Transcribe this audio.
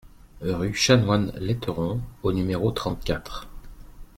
Rue Chanoine Letteron au numéro trente-quatre